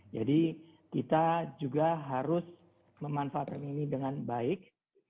jadi kita juga harus memanfaatkan ini dengan baik